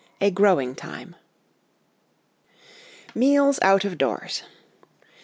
A GROWING TIME Meals out of Doors.